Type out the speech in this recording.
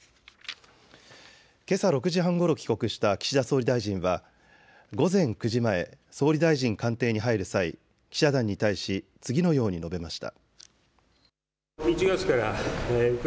けさ６時半ごろ帰国した岸田総理大臣は午前９時前、総理大臣官邸に入る際、記者団に対し次のように述べました。